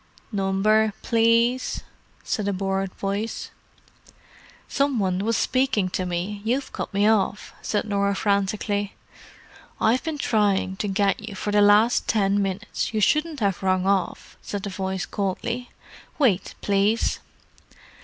"Number, please?" said a bored voice. "Some one was speaking to me—you've cut me off," said Norah frantically. "I've been trying to get you for the last ten minutes. You shouldn't have rung off," said the voice coldly. "Wait, please."